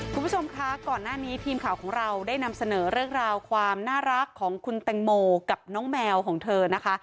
คุณผู้ชมคะก่อนหน้านี้ทีมข่าวของเราได้นำเสนอเรื่องราวความน่ารักของคุณแตงโมกับน้องแมวของเธอนะคะ